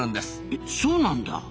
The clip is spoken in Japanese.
えそうなんだ。